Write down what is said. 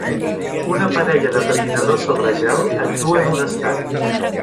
Una parella de patinadors sobre gel actua en un estadi.